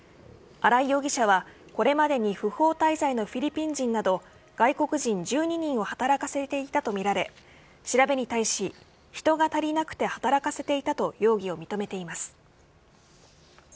荒井容疑者はこれまでに不法滞在のフィリピン人など外国人１２人を働かせていたとみられ調べに対し人が足りなくて働かせていたと容疑を認めています。